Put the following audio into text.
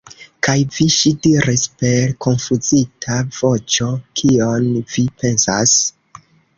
Kaj vi, ŝi diris per konfuzita voĉo, kion vi pensas?